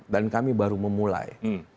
dan kami baru memulai